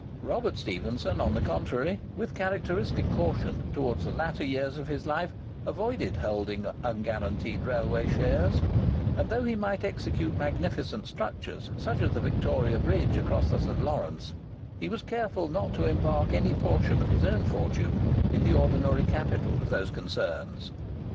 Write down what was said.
Robert Stephenson, on the contrary, with characteristic caution, towards the latter years of his life avoided holding unguaranteed railway shares; and though he might execute magnificent structures, such as the Victoria Bridge across the St. Lawrence, he was careful not to embark any portion of his own fortune in the ordinary capital of these concerns.